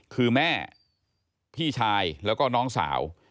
คือแม่พี่ชายแล้วก็น้องสาว